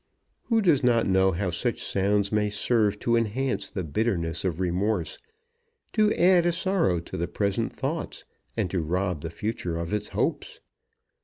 Who does not know how such sounds may serve to enhance the bitterness of remorse, to add a sorrow to the present thoughts, and to rob the future of its hopes?